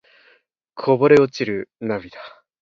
こぼれ落ちる涙